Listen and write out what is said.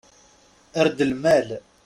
Err-d lmal.